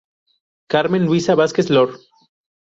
Carmen Luisa Vásquez Loor.